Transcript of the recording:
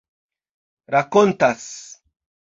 rakontas